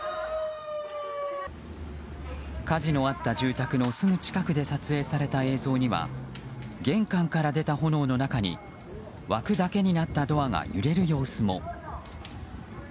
火事のあった住宅のすぐ近くで撮影された映像には玄関から出た炎の中に枠だけになったドアが揺れる様子も。